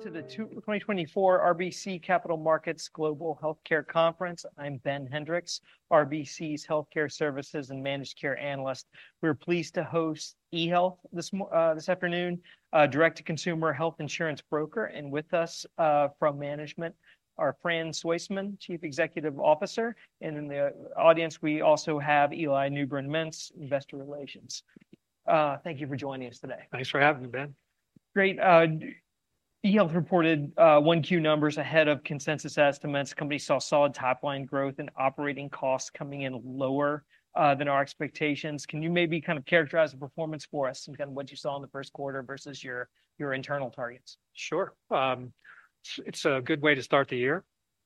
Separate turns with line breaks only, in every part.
To the 2024 RBC Capital Markets Global Healthcare Conference, I'm Ben Hendrix, RBC's healthcare services and managed care analyst. We're pleased to host eHealth this afternoon, a direct-to-consumer health insurance broker, and with us from management are Fran Soistman, Chief Executive Officer, and in the audience we also have Eli Newbrun-Mintz, investor relations. Thank you for joining us today.
Thanks for having me, Ben.
Great. eHealth reported 1Q numbers ahead of consensus estimates. The company saw solid top-line growth and operating costs coming in lower than our expectations. Can you maybe kind of characterize the performance for us, and kind of what you saw in the first quarter versus your internal targets?
Sure. It's a good way to start the year.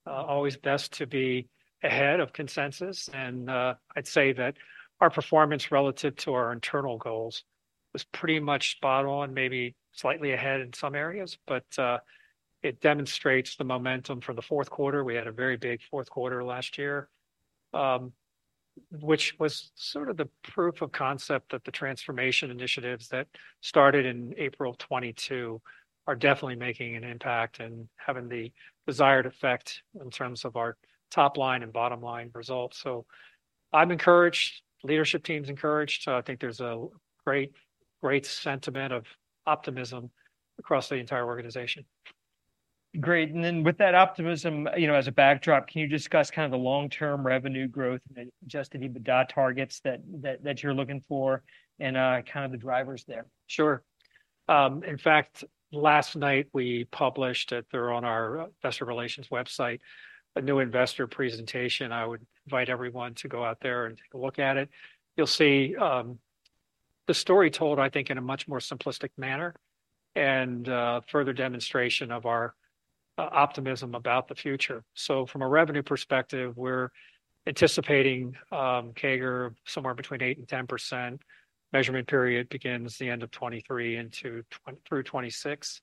Always best to be ahead of consensus, and I'd say that our performance relative to our internal goals was pretty much spot-on, maybe slightly ahead in some areas. But it demonstrates the momentum for the fourth quarter. We had a very big fourth quarter last year, which was sort of the proof of concept that the transformation initiatives that started in April 2022 are definitely making an impact and having the desired effect in terms of our top-line and bottom-line results. So I'm encouraged, leadership team's encouraged. I think there's a great sentiment of optimism across the entire organization.
Great. And then with that optimism, as a backdrop, can you discuss kind of the long-term revenue growth and Adjusted EBITDA targets that you're looking for, and kind of the drivers there?
Sure. In fact, last night we published, there on our Investor Relations website, a new investor presentation. I would invite everyone to go out there and take a look at it. You'll see the story told, I think, in a much more simplistic manner and further demonstration of our optimism about the future. So from a revenue perspective, we're anticipating CAGR somewhere between 8% and 10%. Measurement period begins the end of 2023 through 2026.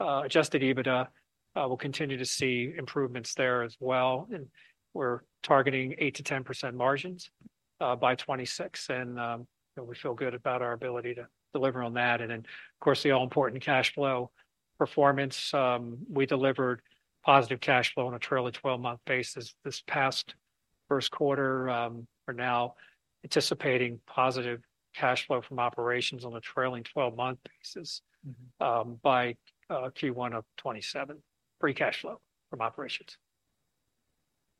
Adjusted EBITDA, we'll continue to see improvements there as well. And we're targeting 8%-10% margins by 2026. And we feel good about our ability to deliver on that. And then, of course, the all-important cash flow performance. We delivered positive cash flow on a trailing 12-month basis this past first quarter. We're now anticipating positive cash flow from operations on a trailing 12-month basis by Q1 of 2027, free cash flow from operations.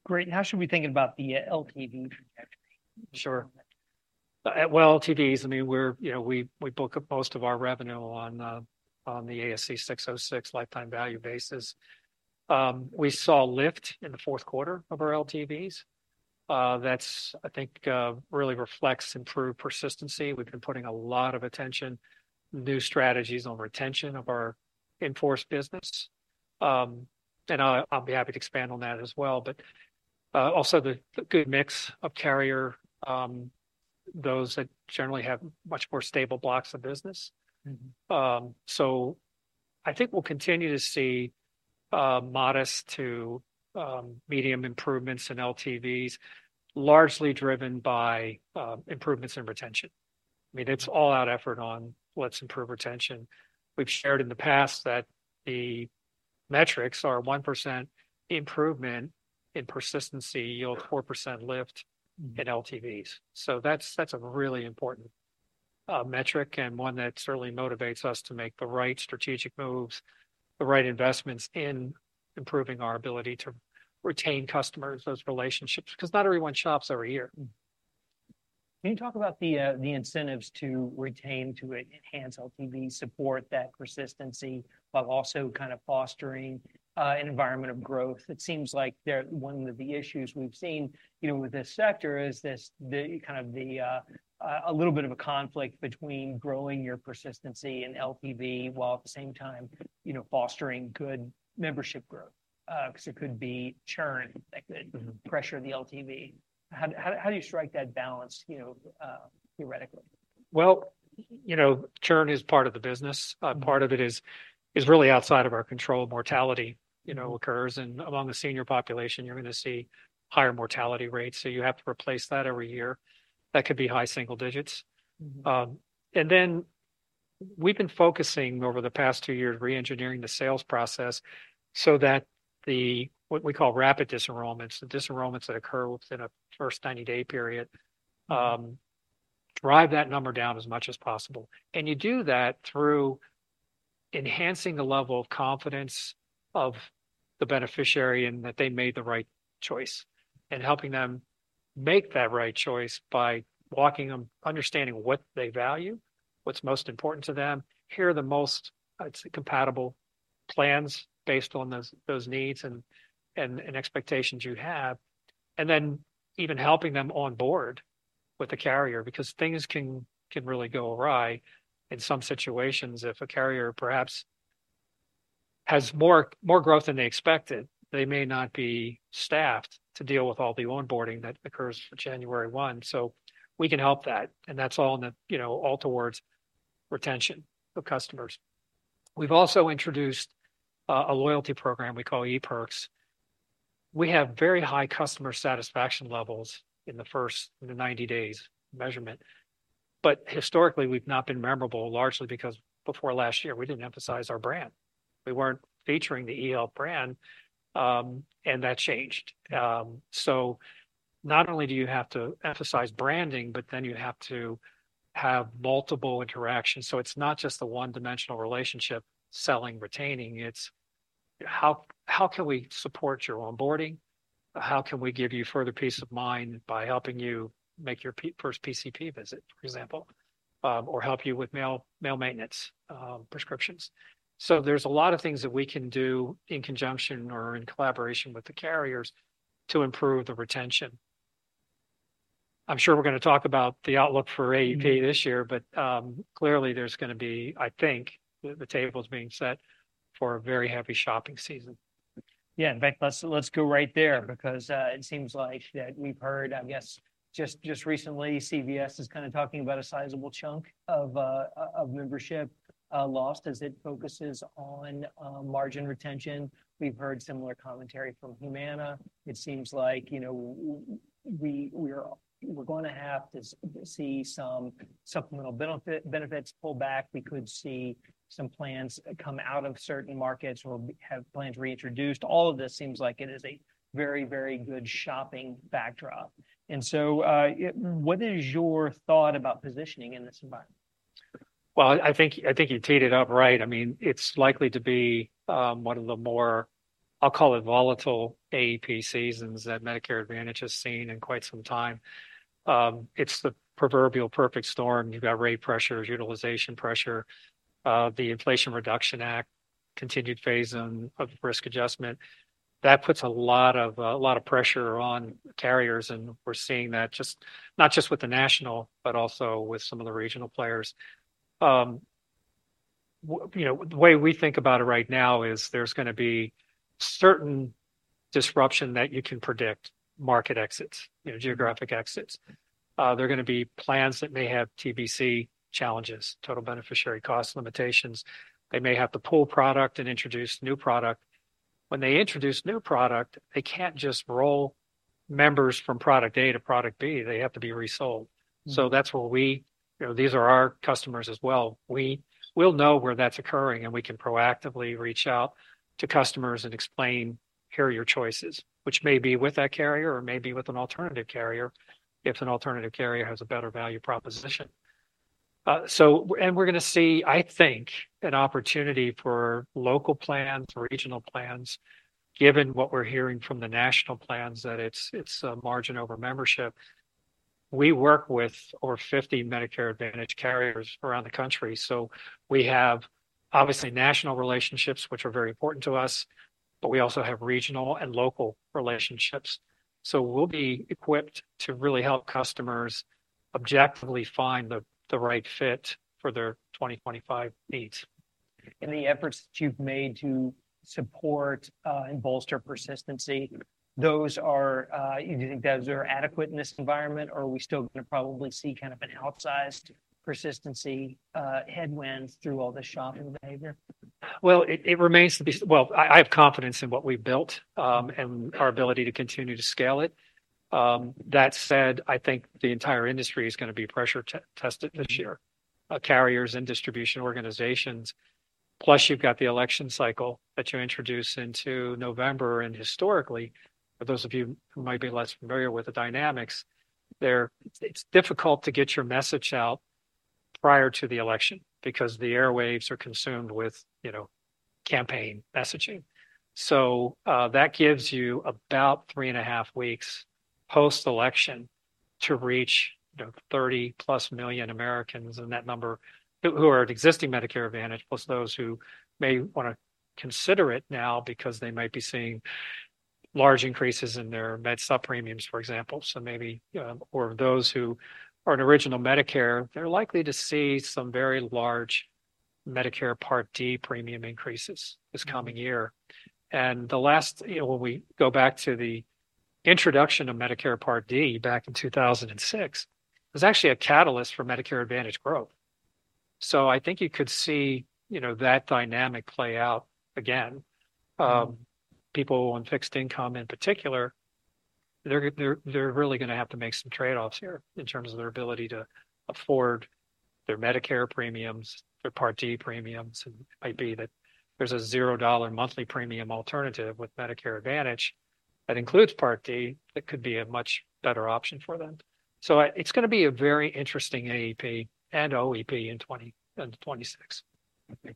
Great. How should we think about the LTV trajectory?
Sure. Well, LTVs, I mean, we book up most of our revenue on the ASC 606 lifetime value basis. We saw a lift in the fourth quarter of our LTVs. That, I think, really reflects improved persistency. We've been putting a lot of attention, new strategies on retention of our enrolled business. And I'll be happy to expand on that as well. But also the good mix of carrier, those that generally have much more stable blocks of business. So I think we'll continue to see modest to medium improvements in LTVs, largely driven by improvements in retention. I mean, it's all-out effort on let's improve retention. We've shared in the past that the metrics are 1% improvement in persistency, yield 4% lift in LTVs. That's a really important metric and one that certainly motivates us to make the right strategic moves, the right investments in improving our ability to retain customers, those relationships, because not everyone shops every year.
Can you talk about the incentives to retain, to enhance LTV, support that persistency while also kind of fostering an environment of growth? It seems like one of the issues we've seen with this sector is kind of a little bit of a conflict between growing your persistency and LTV while at the same time fostering good membership growth, because it could be churn that could pressure the LTV. How do you strike that balance theoretically?
Well, churn is part of the business. Part of it is really outside of our control. Mortality occurs. And among the senior population, you're going to see higher mortality rates. So you have to replace that every year. That could be high single digits. And then we've been focusing over the past two years, re-engineering the sales process so that what we call rapid disenrollments, the disenrollments that occur within a first 90-day period, drive that number down as much as possible. You do that through enhancing the level of confidence of the beneficiary in that they made the right choice and helping them make that right choice by understanding what they value, what's most important to them, here are the most compatible plans based on those needs and expectations you have, and then even helping them onboard with a carrier, because things can really go awry in some situations if a carrier perhaps has more growth than they expected. They may not be staffed to deal with all the onboarding that occurs for January 1. So we can help that. And that's all towards retention of customers. We've also introduced a loyalty program we call ePerks. We have very high customer satisfaction levels in the 90-days measurement. But historically, we've not been memorable, largely because before last year, we didn't emphasize our brand. We weren't featuring the eHealth brand. That changed. So not only do you have to emphasize branding, but then you have to have multiple interactions. So it's not just the one-dimensional relationship, selling, retaining. It's how can we support your onboarding? How can we give you further peace of mind by helping you make your first PCP visit, for example, or help you with mail maintenance prescriptions? So there's a lot of things that we can do in conjunction or in collaboration with the carriers to improve the retention. I'm sure we're going to talk about the outlook for AEP this year. But clearly, there's going to be, I think, the table's being set for a very heavy shopping season.
Yeah. In fact, let's go right there, because it seems like that we've heard, I guess, just recently, CVS is kind of talking about a sizable chunk of membership lost as it focuses on margin retention. We've heard similar commentary from Humana. It seems like we're going to have to see some supplemental benefits pull back. We could see some plans come out of certain markets or have plans reintroduced. All of this seems like it is a very, very good shopping backdrop. And so what is your thought about positioning in this environment?
Well, I think you teed it up right. I mean, it's likely to be one of the more, I'll call it, volatile AEP seasons that Medicare Advantage has seen in quite some time. It's the proverbial perfect storm. You've got rate pressures, utilization pressure, the Inflation Reduction Act, continued phase of Risk Adjustment. That puts a lot of pressure on carriers. And we're seeing that not just with the national, but also with some of the regional players. The way we think about it right now is there's going to be certain disruption that you can predict: market exits, geographic exits. There are going to be plans that may have TBC challenges, Total Beneficiary Cost limitations. They may have to pull product and introduce new product. When they introduce new product, they can't just roll members from product A to product B. They have to be resold. So that's where we see these are our customers as well. We'll know where that's occurring. And we can proactively reach out to customers and explain, "Here are your choices," which may be with that carrier or may be with an alternative carrier if an alternative carrier has a better value proposition. And we're going to see, I think, an opportunity for local plans, regional plans, given what we're hearing from the national plans, that it's a margin over membership. We work with over 50 Medicare Advantage carriers around the country. So we have, obviously, national relationships, which are very important to us. But we also have regional and local relationships. So we'll be equipped to really help customers objectively find the right fit for their 2025 needs.
The efforts that you've made to support and bolster persistency, do you think those are adequate in this environment, or are we still going to probably see kind of an outsized persistency headwind through all this shopping behavior?
Well, it remains to be well, I have confidence in what we've built and our ability to continue to scale it. That said, I think the entire industry is going to be pressure-tested this year: carriers and distribution organizations. Plus, you've got the election cycle that you introduce into November. Historically, for those of you who might be less familiar with the dynamics, it's difficult to get your message out prior to the election because the airwaves are consumed with campaign messaging. So that gives you about 3.5 weeks post-election to reach 30+ million Americans and that number who are at existing Medicare Advantage, plus those who may want to consider it now because they might be seeing large increases in their Med Supp premiums, for example, or those who are an original Medicare, they're likely to see some very large Medicare Part D premium increases this coming year. And when we go back to the introduction of Medicare Part D back in 2006, it was actually a catalyst for Medicare Advantage growth. So I think you could see that dynamic play out again. People on fixed income, in particular, they're really going to have to make some trade-offs here in terms of their ability to afford their Medicare premiums, their Part D premiums. It might be that there's a $0 monthly premium alternative with Medicare Advantage that includes Part D that could be a much better option for them. It's going to be a very interesting AEP and OEP in 2026.
I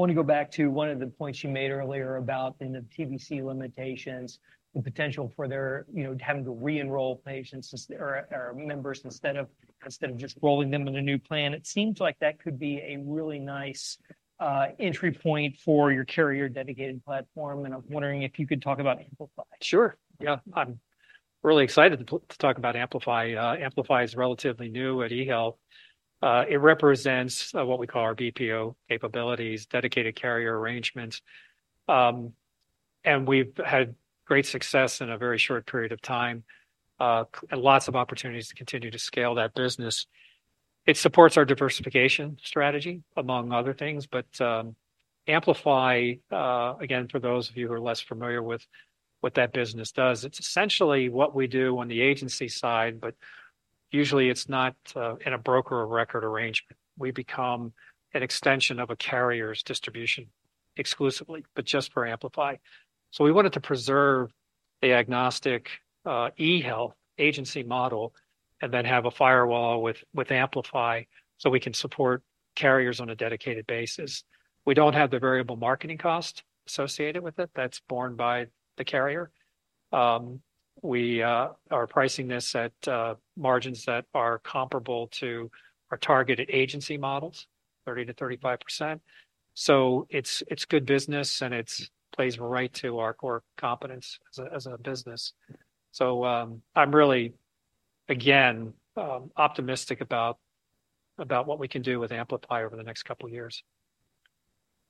want to go back to one of the points you made earlier about the TBC limitations, the potential for them to have to re-enroll patients or members instead of just rolling them in a new plan. It seems like that could be a really nice entry point for your carrier dedicated platform. And I'm wondering if you could talk about Amplify.
Sure. Yeah. I'm really excited to talk about Amplify. Amplify is relatively new at eHealth. It represents what we call our BPO capabilities, dedicated carrier arrangements. We've had great success in a very short period of time and lots of opportunities to continue to scale that business. It supports our diversification strategy, among other things. Amplify, again, for those of you who are less familiar with what that business does, it's essentially what we do on the agency side. Usually, it's not in a broker of record arrangement. We become an extension of a carrier's distribution exclusively, but just for Amplify. We wanted to preserve the agnostic eHealth agency model and then have a firewall with Amplify so we can support carriers on a dedicated basis. We don't have the variable marketing cost associated with it. That's borne by the carrier. We are pricing this at margins that are comparable to our targeted agency models, 30%-35%. So it's good business. And it plays right to our core competence as a business. So I'm really, again, optimistic about what we can do with Amplify over the next couple of years.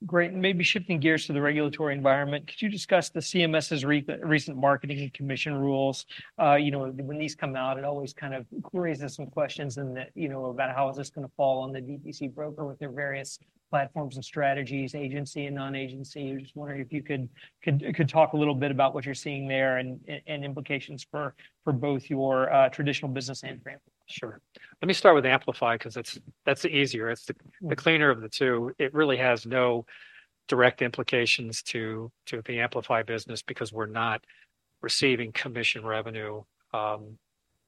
Great. Maybe shifting gears to the regulatory environment, could you discuss the CMS's recent marketing and commission rules? When these come out, it always kind of raises some questions about how is this going to fall on the DTC broker with their various platforms and strategies, agency and non-agency. I'm just wondering if you could talk a little bit about what you're seeing there and implications for both your traditional business and Amplify.
Sure. Let me start with Amplify because that's easier. It's the cleaner of the two. It really has no direct implications to the Amplify business because we're not receiving commission revenue. And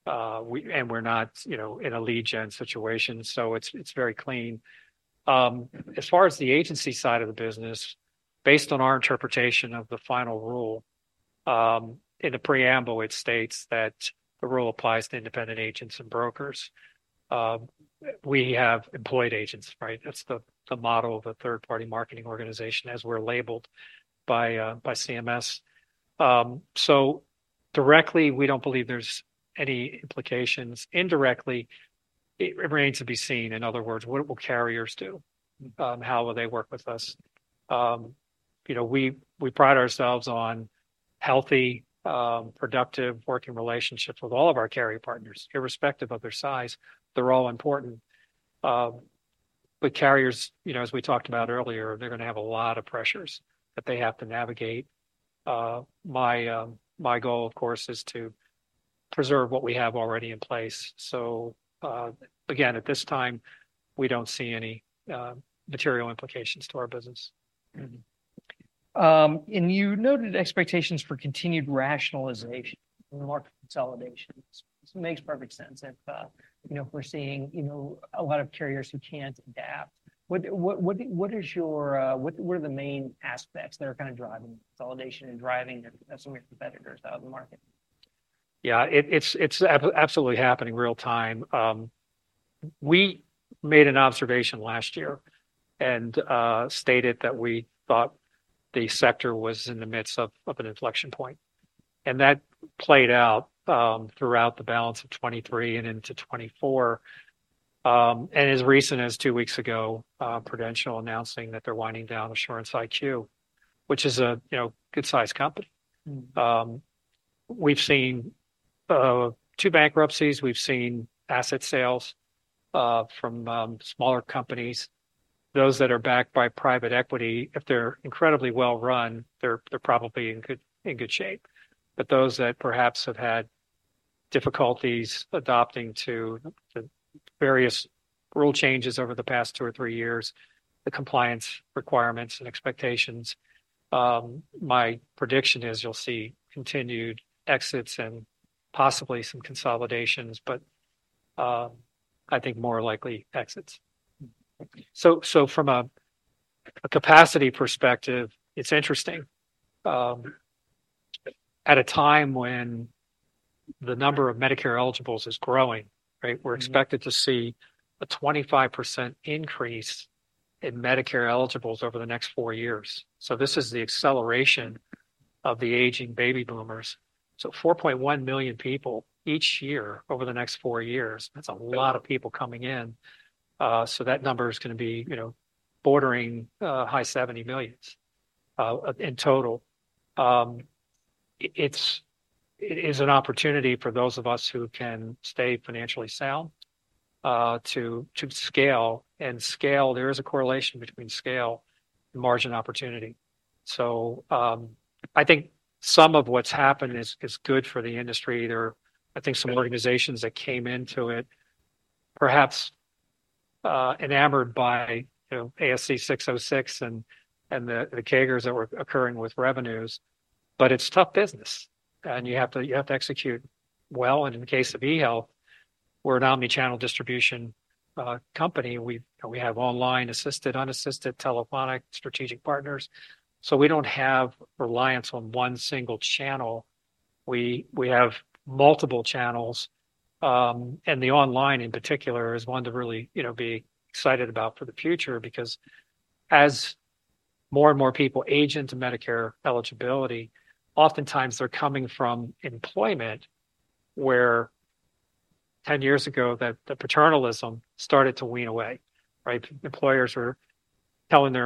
we're not in a lead gen situation. So it's very clean. As far as the agency side of the business, based on our interpretation of the final rule, in the preamble, it states that the rule applies to independent agents and brokers. We have employed agents, right? That's the model of a third-party marketing organization as we're labeled by CMS. So directly, we don't believe there's any implications. Indirectly, it remains to be seen. In other words, what will carriers do? How will they work with us? We pride ourselves on a healthy, productive, working relationship with all of our carrier partners, irrespective of their size. They're all important. But carriers, as we talked about earlier, they're going to have a lot of pressures that they have to navigate. My goal, of course, is to preserve what we have already in place. So again, at this time, we don't see any material implications to our business.
You noted expectations for continued rationalization and market consolidation. This makes perfect sense if we're seeing a lot of carriers who can't adapt. What are the main aspects that are kind of driving consolidation and driving some of your competitors out of the market?
Yeah. It's absolutely happening real time. We made an observation last year and stated that we thought the sector was in the midst of an inflection point. That played out throughout the balance of 2023 and into 2024. And as recent as two weeks ago, Prudential announcing that they're winding down Assurance IQ, which is a good-sized company. We've seen two bankruptcies. We've seen asset sales from smaller companies. Those that are backed by private equity, if they're incredibly well run, they're probably in good shape. But those that perhaps have had difficulties adopting to the various rule changes over the past two or three years, the compliance requirements and expectations, my prediction is you'll see continued exits and possibly some consolidations, but I think more likely exits. So from a capacity perspective, it's interesting. At a time when the number of Medicare eligibles is growing, right, we're expected to see a 25% increase in Medicare eligibles over the next four years. This is the acceleration of the aging baby boomers. 4.1 million people each year over the next four years, that's a lot of people coming in. That number is going to be bordering high 70 million in total. It is an opportunity for those of us who can stay financially sound to scale. And scale, there is a correlation between scale and margin opportunity. I think some of what's happened is good for the industry. I think some organizations that came into it, perhaps enamored by ASC 606 and the CAGRs that were occurring with revenues. But it's tough business. And you have to execute well. And in the case of eHealth, we're an omnichannel distribution company. We have online, assisted, unassisted, telephonic strategic partners. So we don't have reliance on one single channel. We have multiple channels. And the online, in particular, is one to really be excited about for the future because as more and more people age into Medicare eligibility, oftentimes, they're coming from employment where 10 years ago, the paternalism started to wean away, right? Employers were telling their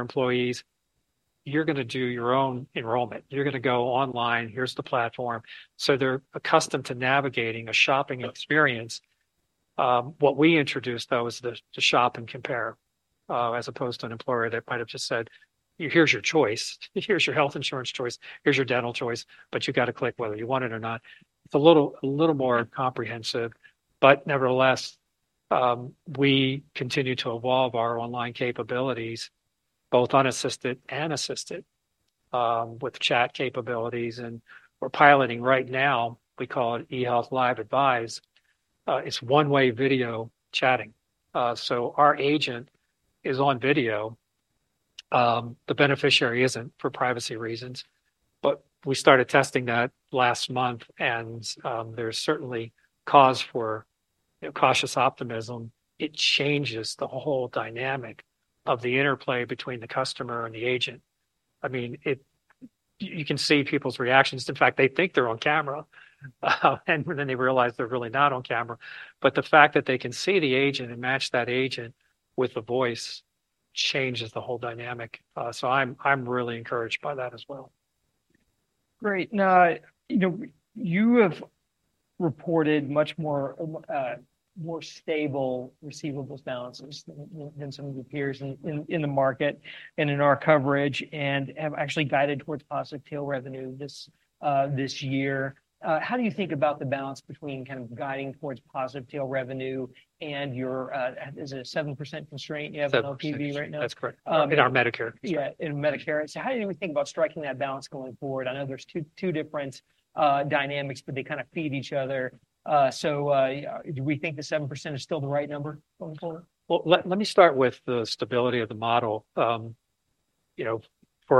employees, "You're going to do your own enrollment. You're going to go online. Here's the platform." So they're accustomed to navigating a shopping experience. What we introduced, though, is the shop and compare as opposed to an employer that might have just said, "Here's your choice. Here's your health insurance choice. Here's your dental choice. But you got to click whether you want it or not." It's a little more comprehensive. But nevertheless, we continue to evolve our online capabilities, both unassisted and assisted, with chat capabilities. And we're piloting right now, we call it eHealth Live Advice. It's one-way video chatting. So our agent is on video. The beneficiary isn't for privacy reasons. But we started testing that last month. And there's certainly cause for cautious optimism. It changes the whole dynamic of the interplay between the customer and the agent. I mean, you can see people's reactions. In fact, they think they're on camera. And then they realize they're really not on camera. But the fact that they can see the agent and match that agent with the voice changes the whole dynamic. So I'm really encouraged by that as well.
Great. Now, you have reported much more stable receivables balances than some of your peers in the market and in our coverage and have actually guided towards positive tail revenue this year. How do you think about the balance between kind of guiding towards positive tail revenue? And is it a 7% constraint? You have an LTV right now?
That's correct. In our Medicare.
Yeah. In Medicare. So how do we think about striking that balance going forward? I know there's two different dynamics, but they kind of feed each other. So do we think the 7% is still the right number going forward?
Well, let me start with the stability of the model. For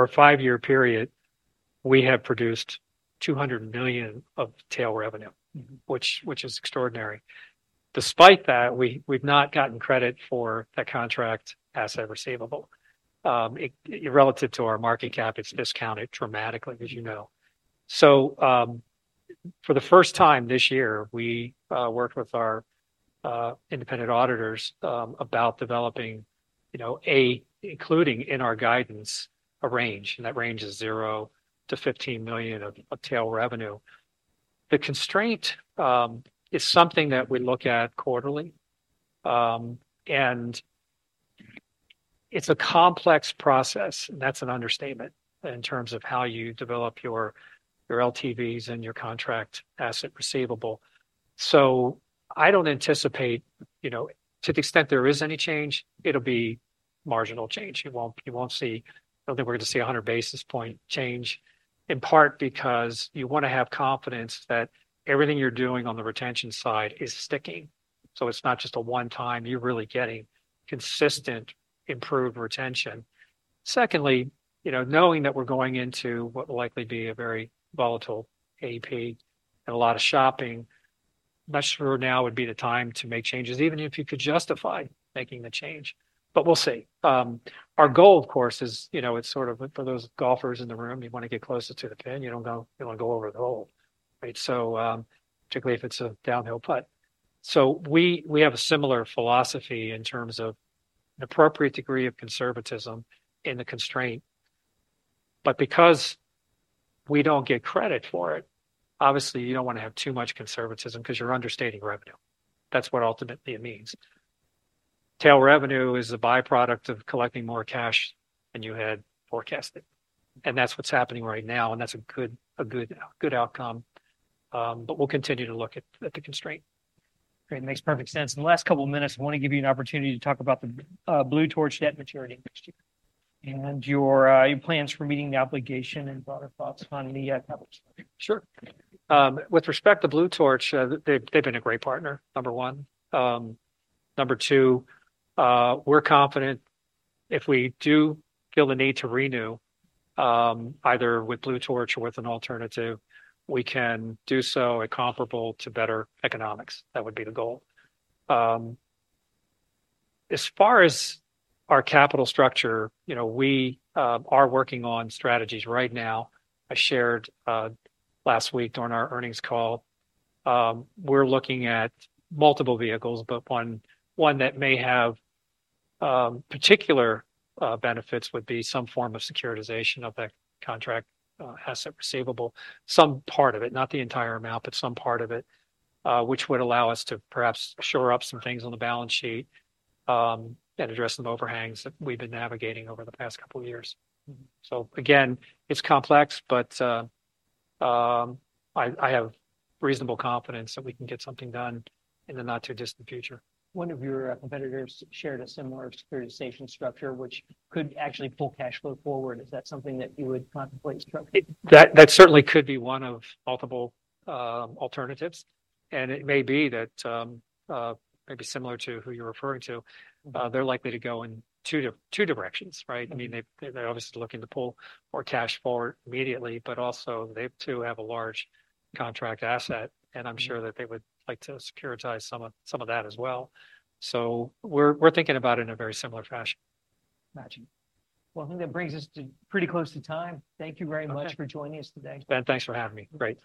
a five-year period, we have produced $200 million of tail revenue, which is extraordinary. Despite that, we've not gotten credit for that contract asset receivable. Relative to our market cap, it's discounted dramatically, as you know. So for the first time this year, we worked with our independent auditors about developing, a, including in our guidance, a range. And that range is $0-$15 million of tail revenue. The constraint is something that we look at quarterly. And it's a complex process. And that's an understatement in terms of how you develop your LTVs and your contract asset receivable. So I don't anticipate, to the extent there is any change, it'll be marginal change. You won't see. I don't think we're going to see a 100 basis points change, in part because you want to have confidence that everything you're doing on the retention side is sticking. So it's not just one-time. You're really getting consistent, improved retention. Secondly, knowing that we're going into what will likely be a very volatile AEP and a lot of shopping, I'm not sure now would be the time to make changes, even if you could justify making the change. But we'll see. Our goal, of course, is, it's sort of for those golfers in the room, you want to get closer to the pin. You don't want to go over the hole, right, particularly if it's a downhill putt. So we have a similar philosophy in terms of an appropriate degree of conservatism in the constraint. But because we don't get credit for it, obviously, you don't want to have too much conservatism because you're understating revenue. That's what ultimately it means. Tail Revenue is a byproduct of collecting more cash than you had forecasted. And that's what's happening right now. And that's a good outcome. But we'll continue to look at the constraint.
Great. Makes perfect sense. In the last couple of minutes, I want to give you an opportunity to talk about the Blue Torch debt maturity next year and your plans for meeting the obligation and broader thoughts on the capital.
Sure. With respect to Blue Torch, they've been a great partner, number one. Number two, we're confident if we do feel the need to renew either with Blue Torch or with an alternative, we can do so at comparable to better economics. That would be the goal. As far as our capital structure, we are working on strategies right now. I shared last week during our earnings call, we're looking at multiple vehicles. But one that may have particular benefits would be some form of securitization of that contract asset receivable, some part of it, not the entire amount, but some part of it, which would allow us to perhaps shore up some things on the balance sheet and address some overhangs that we've been navigating over the past couple of years. So again, it's complex. But I have reasonable confidence that we can get something done in the not-too-distant future.
One of your competitors shared a similar securitization structure, which could actually pull cash flow forward. Is that something that you would contemplate?
That certainly could be one of multiple alternatives. It may be that maybe similar to who you're referring to, they're likely to go in two directions, right? I mean, they're obviously looking to pull more cash forward immediately. But also, they too have a large contract asset. And I'm sure that they would like to securitize some of that as well. So we're thinking about it in a very similar fashion.
Imagine. Well, I think that brings us pretty close to time. Thank you very much for joining us today.
Ben, thanks for having me. Great.